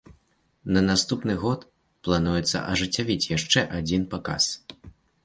На наступны год плануецца ажыццявіць яшчэ адзін паказ.